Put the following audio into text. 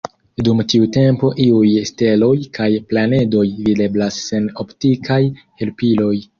Dum tiu tempo iuj steloj kaj planedoj videblas sen optikaj helpiloj.